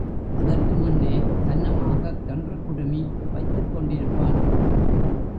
அதற்கு முன்னே சன்னமாகக் கன்றுக்குடுமி வைத்துக் கொண்டிருப்பான்.